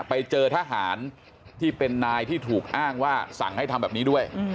ไปเจอทหารที่เป็นนายที่ถูกอ้างว่าสั่งให้ทำแบบนี้ด้วย